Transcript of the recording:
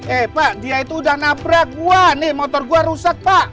eh pak dia itu udah naprak wah nih motor gue rusak pak